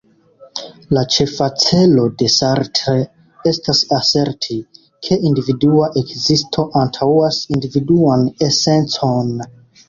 La ĉefa celo de Sartre estas aserti, ke individua ekzisto antaŭas individuan esencon.